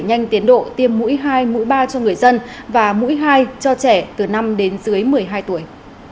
nhanh tiến độ tiêm mũi hai mũi ba cho người dân và mũi hai cho trẻ từ năm đến dưới một mươi hai tuổi